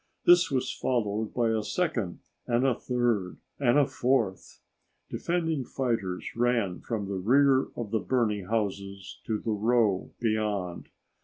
This was followed by a second and a third and a fourth. Defending fighters ran from the rear of the burning houses to the row beyond.